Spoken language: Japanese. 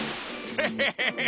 ヘヘヘヘヘ。